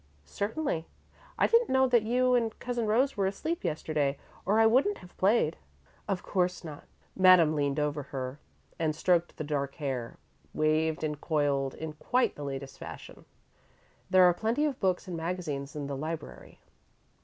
"Certainly. I didn't know that you and Cousin Rose were asleep yesterday, or I wouldn't have played." "Of course not." Madame leaned over her and stroked the dark hair, waved and coiled in quite the latest fashion. "There are plenty of books and magazines in the library."